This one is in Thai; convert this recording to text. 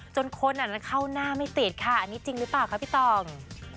จนคนเข้าหน้าไม่ติดค่ะอันนี้จริงหรือเปล่าคะพี่ตอง